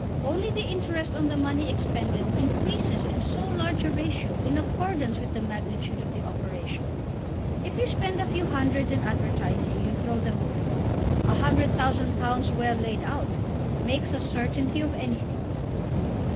Only the interest on the money expended increases in so large a ratio in accordance with the magnitude of the operation! If you spend a few hundreds in advertising you throw them away. A hundred thousand pounds well laid out makes a certainty of anything."